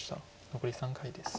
残り３回です。